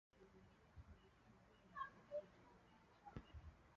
umukecuru ukuze muri swater atera inkono y'ibiryo mugikoni